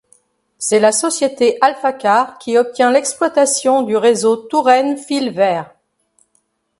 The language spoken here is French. C'est la société Alphacars qui obtient l'exploitation du réseau Touraine Fil Vert.